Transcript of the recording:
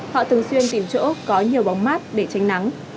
họ thường xuyên tìm chỗ có nhiều bóng mát để tránh nắng